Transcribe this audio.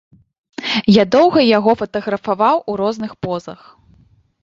Я доўга яго фатаграфаваў у розных позах.